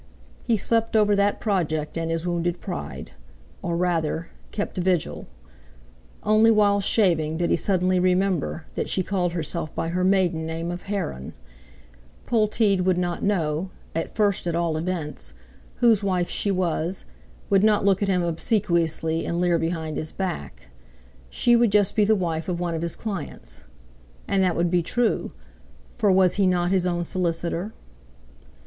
He slept over that project and his wounded pride—or rather, kept vigil. Only while shaving did he suddenly remember that she called herself by her maiden name of Heron. Polteed would not know, at first at all events, whose wife she was, would not look at him obsequiously and leer behind his back. She would just be the wife of one of his clients. And that would be true—for was he not his own solicitor?